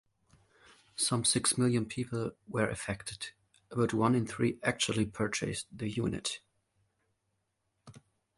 Some six million people were affected; about one in three actually purchased their unit.